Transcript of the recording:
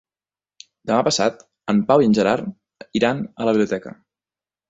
Demà passat en Pau i en Gerard iran a la biblioteca.